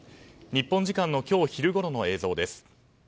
日本時間の今日昼ごろの映像です。